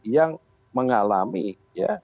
yang mengalami ya